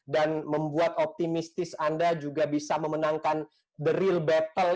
dan membuat optimistis anda juga bisa memenangkan the real battle